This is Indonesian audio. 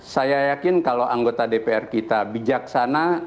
saya yakin kalau anggota dpr kita bijaksana